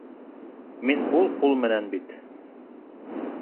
Мин һул ҡул менән бит.